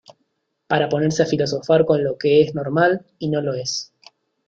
para ponerse a filosofar con lo que es normal y no lo es.